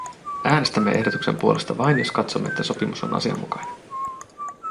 Äänestämme ehdotuksen puolesta vain, jos katsomme, että sopimus on asianmukainen.